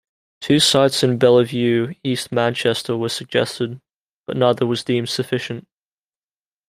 Two sites in Belle Vue, East Manchester were suggested, but neither was deemed sufficient.